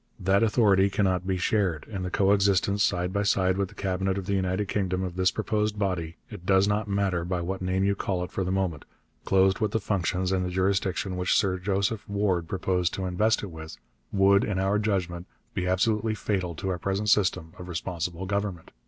That authority cannot be shared, and the co existence side by side with the Cabinet of the United Kingdom of this proposed body it does not matter by what name you call it for the moment clothed with the functions and the jurisdiction which Sir Joseph Ward proposed to invest it with, would, in our judgment, be absolutely fatal to our present system of responsible government....